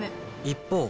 一方。